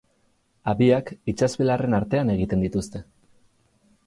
Habiak itsas-belarren artean egiten dituzte.